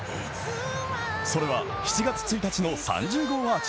それは７月１日の３０号アーチ。